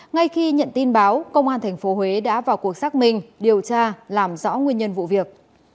ngay khi nhận tin báo công an tp huế đã vào cuộc xác minh điều tra làm rõ nguyên nhân vụ việc